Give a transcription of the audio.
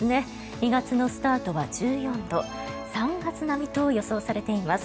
２月のスタートは１４度３月並みと予想されています。